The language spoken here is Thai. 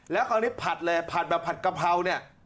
แล้วครั้งนี้ผัดกะเพร่า